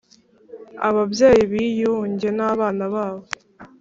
ababyeyi biyunge n’abana babo,